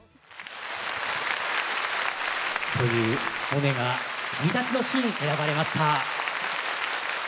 というモネが旅立ちのシーン選ばれました。